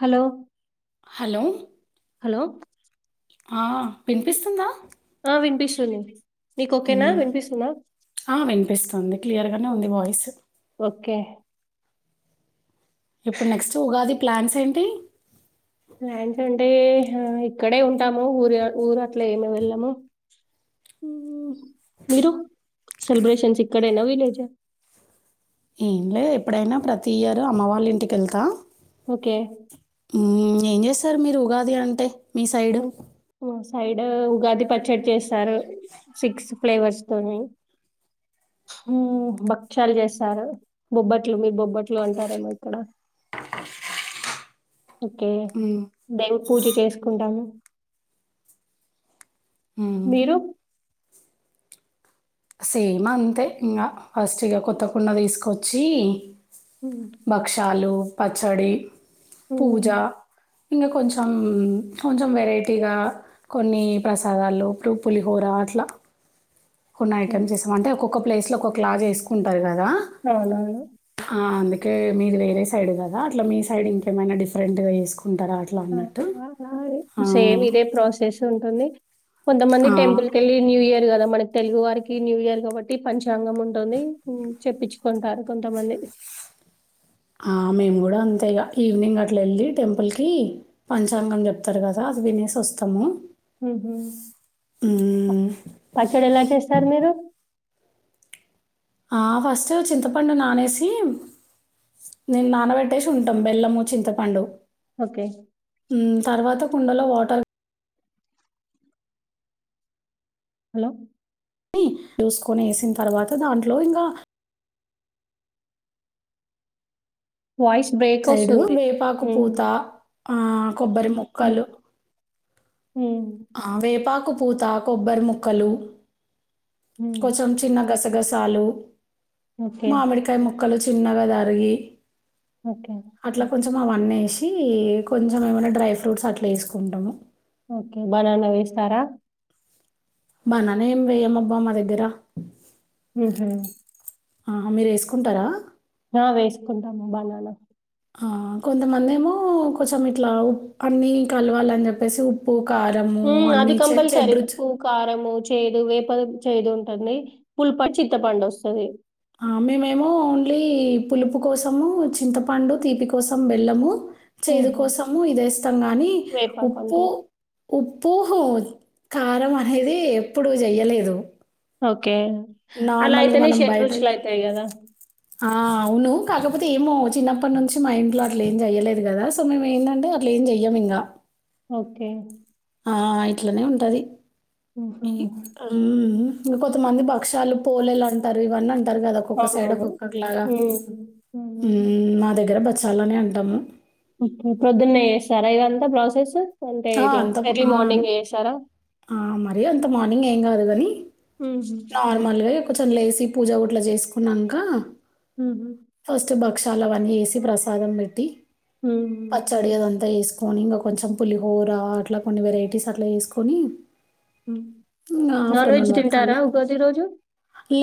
Hello hello hello ఆ పినిపిస్తుందా చెల్లెవు నీకు ఓకేనా వినిపిస్తుంద ఆ, వినిపిస్తుంది క్లియర్గానే ఒ ఉంది వాయిస్ ఒ కే ఇప్పుడు నెక్స్ట్ ఉగాది ప్లాన్స్ ఏంటి ప్లాన్స్ అంటే ఆ ఇక్కడే ఉంటాము ఊరియ ఊరు అట్ల ఏమి వెళ్ళము మీరు సెలిబ్రషన్స్ ఇక్కడేన విలేజ ఏంలే ఎప్పుడైనా ప్రతి ఇయరు అమ్మ వాళ్ళ ఇంటికి ఎళ్తా ఓకే మ్మ్ ఏం చేస్తారు మీరు ఉగాది అంటే మీ సైడు మా సైడ్ ఉగాది పచ్చడి చేస్తారు సిక్స్ ఫ్లేవర్స్ తోని భక్ష్యాలు చేస్తారు బొబ్బట్లు మీ బొబ్బట్లు అంటారేమో ఇక్కడ ఓకే మ్మ్, దేవ్ పూజ చేసుకుంటాను మ్మ్. మీరు సేమ్ అంతే ఇంగ ఫస్ట్ ఇగ కొత్తకుండ తీసుకొచ్చి మ్మ్. భక్షాలు పచ్చడి పూజా మ్మ్. ఇంగ కొంచెం కొంచెం వెరైటీగా కొన్ని ప్రసాదాలు ఇప్పుడు పులిహోర అట్లా కొన్ని ఓకే. ఐటమ్స్ చేసాం అంటే ఒక్కొక్క ప్లేస్ ఒక్కొక్క ల జేసుకుంటారు కదా ఎవల్ అండి ఆ, అందుకే మీరు వేరే సైడ్ కదా అట్లా మీ సైడ్ ఇంకేమైనా డిఫరెంట్ గా చేసుకో సేమ్ ఇదే ప్రాసెస్ టుంది కొంత మంది ఆ, టెంపుల్ కెళ్ళి న్యూ ఇయర్ ఉంది కదా మనకి తెలుగు వారికి న్యూ ఇయర్ కాబట్టి పంచాంగం ఉంటుంది చెప్పించుకుంటారు కొంతమంది ఆ మేము గూడా అంతే ఇగ ఈవినింగ్ అట్లా వెళ్ళి టెంపుల్ కి పంచాంగం చెప్తారు కదా వినేసివస్తాము మ్మ్ హు పచ్చడి ఎలా చేస్తారు మీరు ఆ ఫస్ట్ చింతపండు నానేసి నేను నానబెట్టేసి ఉంటాం బెల్లము చింతపండు ఓకే. మ్మ్ తర్వాత కుండలో వాటర్ హలో డి చూసుకొని వేసిన తర్వాత దాంట్లో ఇంగ వాయిస్ బ్రేక్ సైడు ఒస్తుంది. వేపాకు హ్మ్. పూత ఆ కొబ్బరి ముక్కలు హ్మ్. హ్మ్. ఆ వేపాకు పూత కొబ్బరి ముక్కలు హ్మ్. కొంచెం చిన్న గసగసాలు ఓకే. మామిడికాయ ము ముక్కలు చిన్నగా తరిగి ఓకే అట్లా కొంచెం అవన్నేసి కొంచెం ఏమైనా డ్రై ఫ్రూట్స్ అట్లా ఎసుకుంటము ఓకే బనానా వేస్తారా బానానే ఏం వేయమబ్బా మా దగ్గర ఉహు ఆహా మీరు వేసుకుంటారా ఆ వేసుకుంటాము బనానా ఆ కొంతమంది ఏమో కొంచెం ఇట్లా ఉ అన్ని కలవాలని చెప్పేసి ఉప్పు కారము ఉమ్ అది అన్నీ చెడ్ కంపల్సరి చెడ్ రుచు ఉప్పు కారంము చేదు వేప చేదు ఉంటుంది పుల్పా చింతపండు వస్తుంది ఆ! మేమేమో ఓన్లీ పులుపు కోసము చింతపండు తీపి కోసం బెల్ళము చేదు హుహు. కోసము ఇదేస్తాం గానీ ఉప్పు వేపాకంతే. ఉప్పు పూహు కారం అనేది ఎప్పుడు చెయ్యలేదు ఓకే. అలా నార్మల్గా అయితేనే మనం బయట షడ్‌రుచులయితాయి గదా! ఆ అవును కాకపోతే ఏమో హ్మ్. చిన్నప్ప నుం చి మా ఇంట్లో అట్ల ఏం చెయలేదు కదా సో మేము ఏందంటే అట్ల ఏం చెయ్యాం ఇంగా ఓకే ఆ ఇట్లనే ఉంటుంది. హుహు. ఇంకా కొంతమంది పక్షాలు పోలేలు అంటారు ఇవన్నీ టారు కదా ఒక్కొక్క సైడ్ అవునవును. ఒక్కొక్కలాగా హ్మ్. హ్మ్. ఉమ్ మా దగ్గర బ చాలానే అంటాము పొద్దున్నే చేస్తారా ఇదంతా ప్రాసెస్ అంటే ఆ! ఇలా అంత ఎర్లీ ఆ! మార్నింగ్ చేస్తారా ఆ మరి అంత మార్నింగ్ ఏం కాదు కాని హుహు. నార్మల్గా కొంచం లేసి పూజ ఊట్లా చేసుకున్నాక హుహు. ఫస్ట్ భక్షాలవన్నీ వేసి ప్రసాదం పెట్టి హ్మ్. పచ్చడి అదంతా వేసుకు కొని ఇంకా కొంచెం పులిహోర అట్లా కొన్ని వెరైటీస్ అట్లా చేసుకొని హ్మ్. ఇ నాన్ వెజ్ ఆఫ్టర్నూన్ వరకు కల్ల తింటారా ఉగాది రోజు?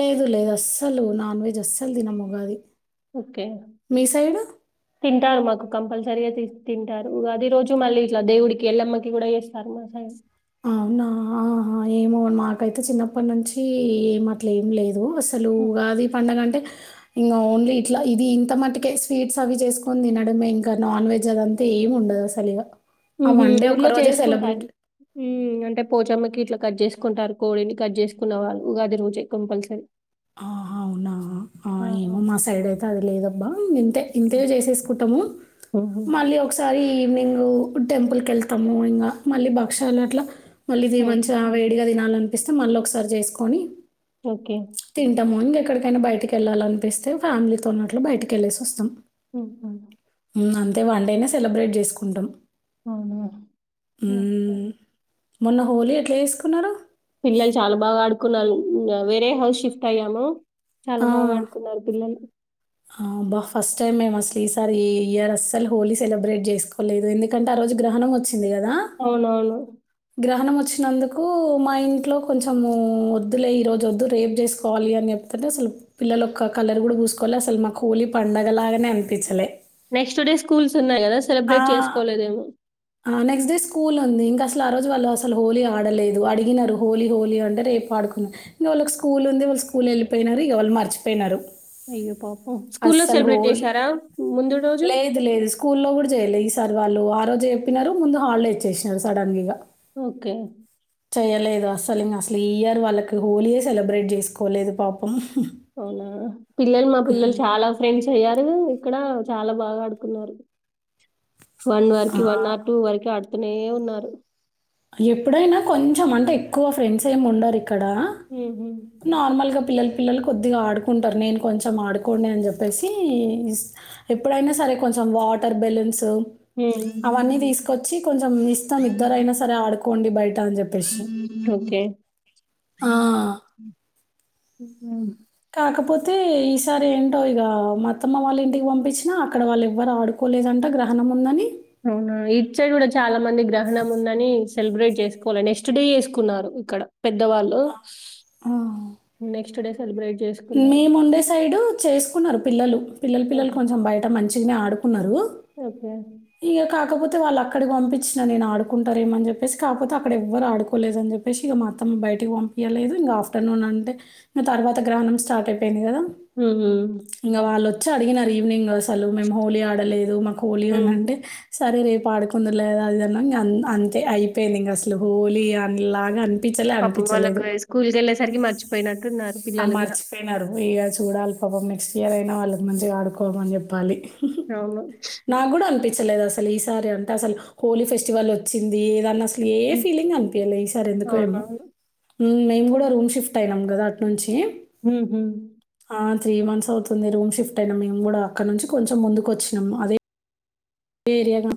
లేదు లేదు అస్ అసలు నాన్ వెజ్ అస్సలు తినము ఉగాది ఓకే మీ సైడు? తింటారు కంపల్సరిగా తీ తింటారు ఉగాది రోజు మళ్ళీ ఇట్లా దేవుడికి ఎల్లమ్మకి కూడా చేస్తారు మా అవునా ఆ ఏమో మాకైతే చిన్నప్పటి నుంచి ఏంట్ల ఏం లేదు అసలు హ్మ్. కాదు పండగ అంటే ఇంకా ఓన్లీ ఇట్లా ఇది ఇంత మటుకే స్వీట్స్ అవి చేసుకొని తినడ మే ఇంకా నాన్ వెజ్ అదంతే ఏం ఉండదు ఆ అసలు ఉహు ఊర్లో చేసుకుంటరూ ఉమ్ అంటే పోచమ్మకి ఇట్లా కట్ చేసుకుంటారు కోడిని కట్ చేసుకున్న వాళ్ళు ఉగాది రోజే కంపల్సరీ ఆ ఆ ఏమో మా సైడ్ అయితే అది లేదబ్బా ఇంతే ఓకే. ఇంతే చేసేసుకుంటాము. హుహు. మళ్ళీ ఒకసారి ఈవినింగ్ టెంపుల్కి వెళ్తాము ఇంకా మళ్ళీ భక్ష్యాలు అట్లా మళ్ళీ ఇది హుహు. మంచిగా వేడిగా తినాలనిపిస్తే మళ్ళీ ఒకసారి చేసుకొని ఓకే తింటాము ఇంకెక్కడికైనా బయటికి వెళ్ళాలనిపిస్తే ఫ్యామిలీతో ఉన్నట్లు బయటికిళ్ళేసి వస్తాము. ఉహూ అంతే వన్డేనే సెలబ్రేట్ చేసుకుంటాం అవునా మొన్న హోలీ ఎట్లా చేసుకున్నారు పిల్లలు చాలా బాగా ఆడుకున్నారు వేరే హౌస్ షిఫ్ట్ అయ్యాము చాలా ఆ! బాగా ఆడుకున్నారు పిల్లలు ఆ బా ఫస్ట్ టైమ్ మేము అసలు ఈసారి ఈ ఇయర్ అస్సలు హోలీ సెలబ్రేట్ చేసుకోలేదు ఎందుకంటే ఆ రోజు ఆ రోజు గ్రహణం వచ్చింది కదా అవునవును గ్రహణం వచ్చినందుకు మా ఇంట్లో కొంచెం వద్దులే ఈరోజొద్దు రేపు చేసుకోవాలి అని చెప్ అంటే అసలు పిల్లలుక్క కలర్ గుడ పూసుకోల అసలు మాకు హోళీ పండగలాగనే అనిపిచ్చలే నెక్స్ట్ డే స్కూల్స్ ఉన్నాయి గదా! ఆ సెలబ్రేట్ చేసుకోలేదేమో. ఆ నెక్స్ట్ డే స్కూల్ ఉంది ఇంకా ఆ రోజు వాళ్ళు అసలు హోలీ ఆడలేదు, అడిగినరు హోలీ హోలీ అంటే రేపు ఆడుకున్నా ఇంకా వాళ్ళకి స్కూల్ ఉంది. స్కూల్ ఎళ్ళిపోయినరు ఇగ వాళ్ళు మరిచిపోయినరు అయ్యో పాపం స్కూల్లో అస్సలు సెలబ్రేట్ హోల్ చేశారా ముందు రోజు లేదు లేదు స్కూలో గుడ ఈసారి వాళ్ళు ఆ రోజే చెప్పినారు ముందు హాలిడే ఇచ్చేసినారు సడన్ గా ఓకే చేయలేదు అసలు ఇంక అసలు ఈ ఇయర్ వాళ్ళకి హోలీయే సెలబ్రేట్ చేసుకోలేదు పాపం అవునా పిల్లలు మా పిల్లలు హ్మ్. చాలా ఫ్రెండ్స్ అయ్యా ఇక్కడ చాలా బాగా ఆడుకున్నారు వన్ వరకి వన్ ఆ! ఆర్ టూ వరకు ఆడు నే ఉన్నారు ఎప్పుడైనా కొంచెం అంటే ఎక్కువ ఫ్రెండ్స్ ఏమి ఉండరు ఇక్కడ మ్మ్. నార్మల్గా పిల్లలు పిల్లలు కొద్దిగా ఆడుకుంటారు నేను కొంచెం ఆడుకోండి అని చెప్పేసి ఎప్పుడైనా సరే కొంచం వాటర్ బెలూన్స్ మ్మ్. అవన్నీ తీసుకొచ్చి కొంచెం ఇస్తం ఇద్దరైనా సరే ఆడుకోండి బయట అని చెప్పేసి ఓకే మ్మ్. కాకపోతే ఈసారి ఏంటో ఇగ మా అత్తమ్మ వాళ్ళ ఇంటికి పంపించినా అక్కడ వాళ్ళెవ్వరు ఆడుకోలేదంట. గ్రహణం ఉందని అవునా ఇటు సైడ్ కూడా చాలా మంది గ్రహణం ఉందని సెలబ్రేట్ చేసుకోల నెక్స్ట్ డే చేసుకున్నారు ఇక్కడ పెద్దవాళ్ళు ఆ! నెక్స్ట్ డే సెలిబ్రేట్ మేముండే సైడ్ చేసుకున్నారు పిల్లలు పిల్లలు పిల్లలు మ్మ్. కొంచెం బయట ఆడుకున్నారు ఓకే ఇగ కాకపోతే వాళ్ళు అక్కడికి పంపించిన నేను ఆడుకుంటారేమో అని చెప్పేసి కాపోతే అక్కడ ఎవ్వరు ఆడుకోలేదని చెప్పేసి ఇగ మా అత్తమ్మ బయటికి పంపియలేదు ఇంకా ఆఫ్టర్నూన్ అంటే ఇక తర్వాత గ్రహణం స్టార్ట్ అయిపోయింది కదా హు హూ వచ్చి అడిగినారు ఈవినింగ్ అసలు మేము హోళీ ఆడలేదు మాకు హోళీ మ్మ్. అనంటే సరే రేపు ఆడుకుందురులే దా అది ఇది అంతే అయిపోయింది ఇంగసలు హోలీ అన్లాగ పాపం వాళ్ళకి హైస్కూల్కెళ్ళేసరికి మర్చిపోయినట్టున్నారు పిల్లలు గూడ ఇగా చూడాలి పాపం నెక్స్ట్ ఇయర్ అయినా వాళ్ళకి మంచిగా ఆడుకోమని చెప్పాలి అవును. నాగ్గుడా అంతే తెలేదు అసలు ఈసారి అంటే అసలు హోలీ ఫెస్టివల్ వచ్చింది ఏదన్నా ఏ హ్మ్. ఫీలింగ్ అనిపియేలె ఈసారి ఎందుకో ఏమో అవునవును. నుంచి ఊహు ఆ త్రీ మంత్స్ అవుతుంది రూమ్ షిఫ్ట్ అయినా మేము గూడా అక్కడ నుంచి కొంచెం ముందుకు వచ్చినాము అదే ఏరియాన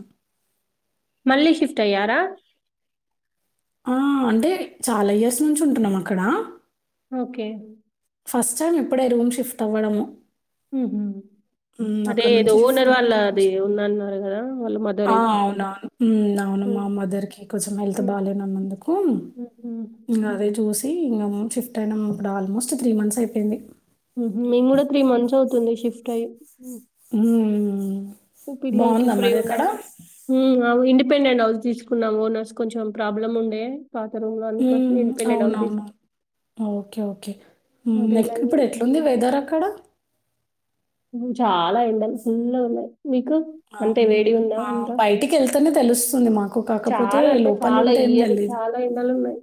మళ్ళీ షిఫ్ట్ అయ్యారా ఆ అంటే చాలా ఇయర్స్ నుంచి ఉంటున్నాం అక్కడ ఓకే ఫస్ట్ టైమ్ ఇప్పుడే రూమ్ షిఫ్ట్ అవ్వడము ఉహు హ్మ్. అక్కడి అదేదో నుంచి షిఫ్ట్ ఓనర్ అయ్యి ఇక్కడికొచ్చాం. వాళ్ళది ఉందన్నారు గదా వాళ్ళ మదర్ ఏదో మ హ్మ్. మదర్ కి కొంసెం హెల్త్ హ్మ్. బాగాలేదు అన్నందుకు హుహు. ఇంగ అదె చూసి షిఫ్ట్ అయినం అప్పుడు ఆల్మోస్ట్ త్రీ మంత్స్ అయిపోయింది టైమ్ మ్మ్ పిల్లలకి ఫ్రీ ఉండాలి ఊ ఔ ఇండిపెండెంట్ హౌస్ తీసుకున్నాం ఓనర్స్ కొంచెం ప్రాబ్లం ఉండే పాత రూమ్‌లో ఊ అందుకోసమే ఇండిపెండెంట్ హౌస్ తీసుకున్నాం. అవునవును ఓకే ఓకే ఉమ్ అదే లైక్ లైన్‌లో. ఇప్పుడు ఎట్లుంది వెదర్ అక్కడ ఊ చాలా ఎండలు ఫుల్గు ఉన్నాయి మీకు అంటే అవునా? వేడి ఉందా ఆ! అంతా బయటికెళ్తేనే తెలుస్తుంది మాకు. కాకపోతే చాలా అంటే చాలా లోపలుంటే ఈ ఏం ఇయర్ తెలీదు. చాలా ఎండలున్నాయి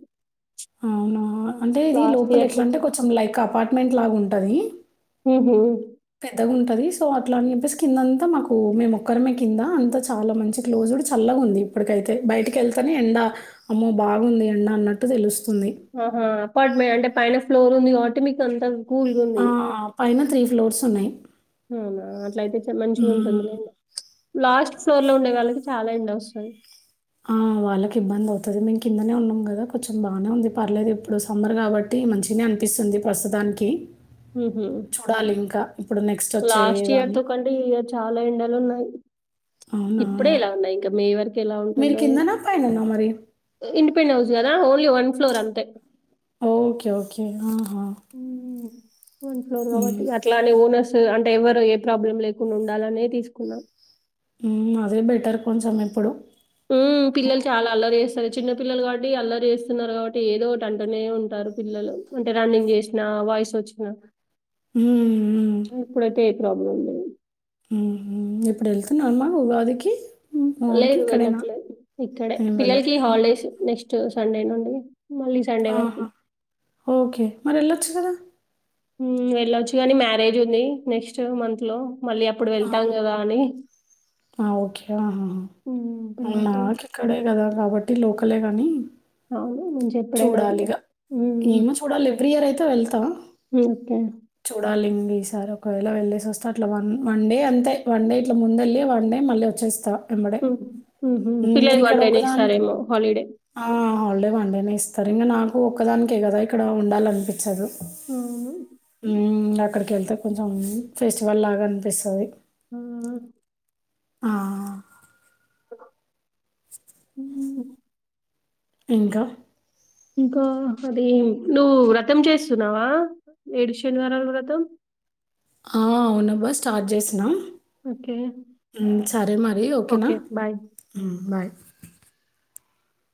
అవునా అంటే ఇది లాస్ట్ లోపల ఇయర్ ఎట్లా తో అంటే కంటే. కొంచెం లైక్ అపార్ట్మెంట్ లాగుంటది ఊహూ పెద్దగుంటది సో అట్లా అని చెప్పేసి కిందంతా మాకు మేము ఒక్కరమే కింద అంతా చాలా మంచి క్లోజ్ ప్పుడు చల్లగుంది ఇప్పటికైతే బయటికెళ్తానే ఎండ అమ్మో బాగుంది ఎండ అన్నట్టు తెలుస్ ఆహా అపాట్ మే అంటే పైన ఫ్లోర్ ఉంది కావట్టి మీకు అంత కూల్గా ఆ ఉంది పైన త్రీ ఫ్లోర్స్ ఉన్నాయి అవునా అట్ల అయితే మంచిగా హ్మ్. ఉంటుందిలేండి లాస్ట్ ఫ్లోర్ లో ఉండే వాళ్ళకి చాలా ఎండ వస్త్ చల్ ఆ వాళ్ళకి ఇబ్బంది అవ్తది మేము కిందనే ఉన్నాం కదా కొంచెం బాగానే ఉంది పర్లేదు ఇప్పుడు సమ్మర్ కాబట్టి మంచిన్నే ఇస్తుంది ప్రస్తుతానికి హ్మ్ హు చూడాలి ఇంకా ఇప్పుడు నెక్స్ట్ లాస్ట్ ఇయర్ వచ్చేదాన్ని. తో కంటే ఈ ఇయర్ చాలా ఎండలు ఉన్నాయి అవునా! ఇప్పుడే ఎలా ఉన్నాయి ఇంకా మే వరకు ఎలా మీరు ఉంటుందో ఇ కిందనా? పైననా మరి? ఇండిపెండెంట్ హౌస్ గదా ఓన్లీ వన్ ఫ్లోర్ అంతే ఓకే ఓకే హ్మ్ వన్ ఫ్లోర్ హ్మ్. కాబట్టి అట్లానే [unintelligible] అంటే ఎవరు ఏ ప్రాబ్లం లేకుండా ఉండాలనే తీసుకున్నాం హ్మ్ అదే బెటర్ కొంచెం ఇప్పుడు హ్మ్ పిల్లలు చాలా అల్లరి చేస్తారు చిన్న పిల్లలు కాబట్టి అల్లరి చేస్తున్నారు కాబట్టి ఏదో ఒకటి అంటూనే ఉంటారు పిల్లలు అంటే రన్నింగ్ చేసిన వయసోచ్చిన హ్మ్. ఇప్పుడైతే ఏ ప్రాబ్లం ఉండదు హ్మ్ హు ఇప్పుడు వెళ్తునన్నా ఉగాదికి హ్మ్. మా ఊరికి లేదు ఇక్కడేనా? వెళ్ళట్లేదు ఇక్కడే ఏం పిల్లలకి వెళ్ళట్లేదా? హాలిడేస్ నెక్స్ట్ సండే నుండి మళ్ళీ సండే వరకి. ఆహా ఓకే మరి వెళ్ళొచ్చు కదా హ్మ్ వెళ్ళచ్చు కానీ మ్యారేజ్ ఉంది నెక్స్ట్ మంత్ లో మళ్ళీ అప్పుడు వెళ్తాం కదా అని ఆ ఓకే అహ హ్మ్. పిల్లలతోని నాకు ఇక్కడే కదా కాబట్టి లోకలే గానీ అవును. మంచిగా ఎప్పుడైనా చూడాలిగా వెళ్ళొచ్చు. హ్మ్. ఏమో చూడాలి ఎవ్రీ ఇయర్ అయితే వెళ్తా హ్మ్. ఓకే. చూడాలింగి సారి ఒకవేళ వెళ్ళేసి వస్తా అట్లా వన్ వన్ డే అంతే వన్ డే ఇట్ల ముందెళ్ళి వన్ డే మళ్ళీ వచ్చేస్తా ఎంబడే హ్మ్. హుహు. ఉమ్ పిల్లలకి ఇక్కడ వన్ డేనే ఒకదానికి ఇస్తారేమో హాలిడే. ఆ హాలిడే వన్డేనే ఇస్ తారు ఇంగ నాకూ ఒక్కదానికే గదా ఇక్కడ ఉండాలన్పిచ్చదు అవును. అక్కడికెళ్తే కొంచెం ఫెస్టివల్ లాగా అన్పిస్తది ఊ ఊ ఆ ఆ హ్మ్. ఇంకా ఇంకా అది నువ్వు వ్రతం చేస్తున్నావా ఏడు శనివారాలు వ్రతం ఆ అవును బా స్టార్ట్ చేసినాం ఓకే. ఉమ్ సరే మరి ఓ కే నా ఓకే. బాయ్. ఉమ్ బాయ్